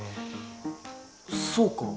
そうか。